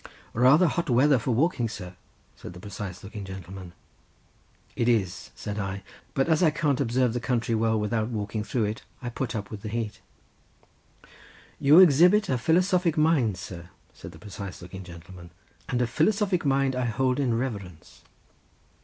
"Rather hot weather for walking, sir!" said the precise looking gentleman. "It is," said I; "but as I can't observe the country well without walking through it I put up with the heat." "You exhibit a philosophic mind, sir," said the precise looking gentleman—"and a philosophic mind I hold in reverence."